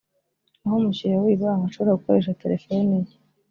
aho umukiriya w’iyi banki ashobora gukoresha terefoni ye